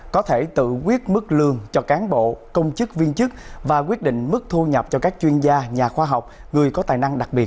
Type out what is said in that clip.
có thể tự quyết mức lương cho cán bộ công chức viên chức và quyết định mức thu nhập cho các chuyên gia nhà khoa học người có tài năng đặc biệt